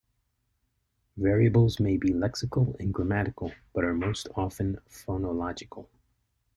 Variables may be lexical and grammatical, but are most often phonological.